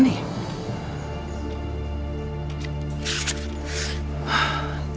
uang dari mana